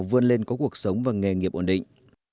vươn lên có cuộc sống và nghề nghiệp ổn định